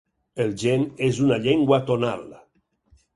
El gen és una llengua tonal.